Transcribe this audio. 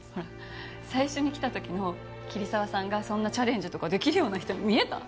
最初に来た時の桐沢さんがそんなチャレンジとかできるような人に見えた？